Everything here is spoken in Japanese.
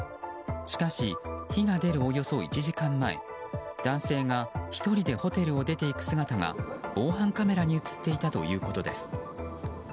しかし火が出るおよそ１時間前男性が１人でホテルを出て行く姿が防犯カメラに映っていたということです。